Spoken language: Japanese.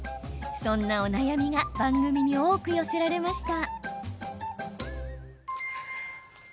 そんなお悩みが番組に多く寄せられました。